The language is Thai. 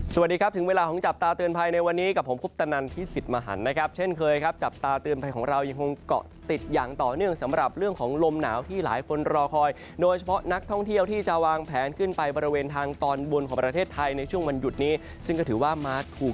สวัสดีครับถึงเวลาของจับตาเตือนภัยในวันนี้กับผมคุปตนันพิสิทธิ์มหันนะครับเช่นเคยครับจับตาเตือนภัยของเรายังคงเกาะติดอย่างต่อเนื่องสำหรับเรื่องของลมหนาวที่หลายคนรอคอยโดยเฉพาะนักท่องเที่ยวที่จะวางแผนขึ้นไปบริเวณทางตอนบนของประเทศไทยในช่วงวันหยุดนี้ซึ่งก็ถือว่ามาถูก